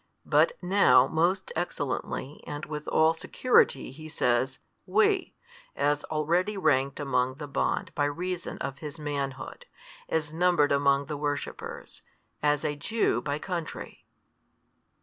But, now most excellently and with all security He says WE, as already ranked among the bond by reason of His Manhood, as numbered among the worshippers, as a Jew by country.